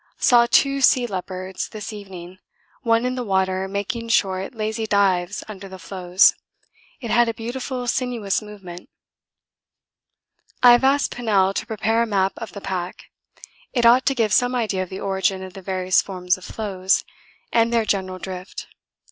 Saw two sea leopards this evening, one in the water making short, lazy dives under the floes. It had a beautiful sinuous movement. I have asked Pennell to prepare a map of the pack; it ought to give some idea of the origin of the various forms of floes, and their general drift.